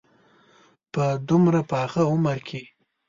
په دومره پاخه عمر کې.